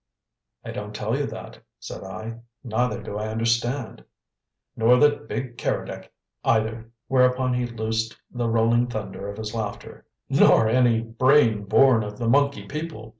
"I don't tell you that," said I, "neither do I understand." "Nor that big Keredec either!" Whereupon he loosed the rolling thunder of his laughter. "Nor any brain born of the monkey people!